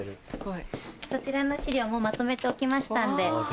そちらの資料もうまとめておきましたんで。